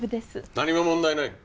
何も問題ない。